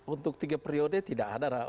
untuk tiga periode tidak ada